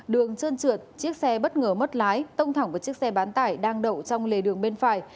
đường trơn trượt chiếc xe bất ngờ mất lái tông thẳng vào chiếc xe bán tải đang đậu trong lề đường bên phải